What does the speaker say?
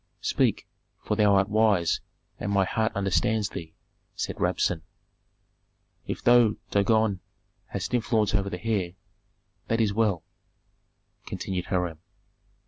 "Speak, for thou art wise and my heart understands thee," said Rabsun. "If thou, Dagon, hast influence over the heir, that is well," continued Hiram.